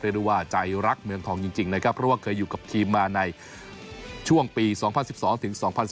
ได้ว่าใจรักเมืองทองจริงนะครับเพราะว่าเคยอยู่กับทีมมาในช่วงปี๒๐๑๒ถึง๒๐๑๙